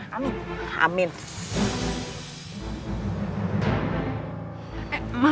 oh dengar uangnya